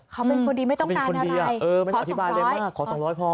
เขาเป็นคนดีไม่ต้องการอะไรขอสองร้อยขอสองร้อยพอ